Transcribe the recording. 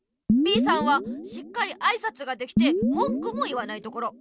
Ｂさんはしっかりあいさつができてもんくも言わないところ。